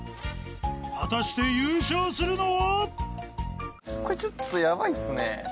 ［果たして優勝するのは？］